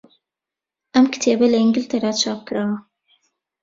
ئەم کتێبە لە ئینگلتەرا چاپکراوە.